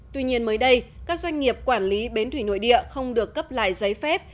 tuy nhiên mới đây các doanh nghiệp quản lý bến thủy nội địa không được cấp lại giấy phép